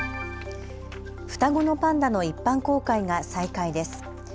双子のパンダの一般公開が再開です。